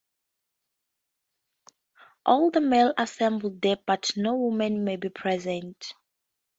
All the males assemble there but no woman may be present.